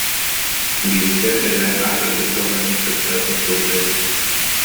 Биирдэ эбээн аатырбыт бөҕөһүн кытта тустубута үһү